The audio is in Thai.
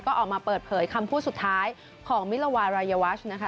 ก็ออกมาเปิดเผยคำพูดสุดท้ายของมิลวารายวัชนะคะ